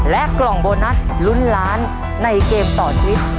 กล่องโบนัสลุ้นล้านในเกมต่อชีวิต